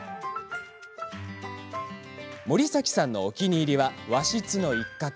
森崎さんのお気に入りは和室の一角。